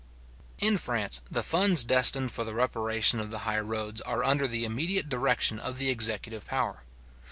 In France, the funds destined for the reparation of the high roads are under the immediate direction of the executive power.